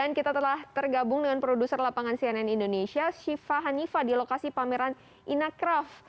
dan kita telah tergabung dengan produser lapangan cnn indonesia shiva hanifa di lokasi pameran inacraft